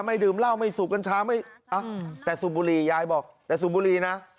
ดื่มเหล้าไม่สูบกัญชาแต่สูบบุหรี่ยายบอกแต่สูบบุหรี่นะ